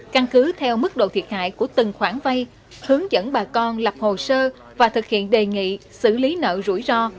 căn cứ theo mức độ thiệt hại của từng khoản vay hướng dẫn bà con lập hồ sơ và thực hiện đề nghị xử lý nợ rủi ro